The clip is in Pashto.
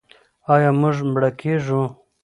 آیا موږ مړه کیږو؟